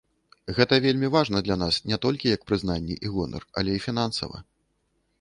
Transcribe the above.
Гэта вельмі важна для нас не толькі як прызнанне і гонар, але і фінансава.